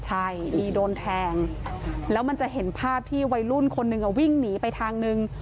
ใช่อีโดนแทงแล้วมันจะเห็นภาพที่วัยรุ่นคนหนึ่งวิ่งหนีไปทางนึง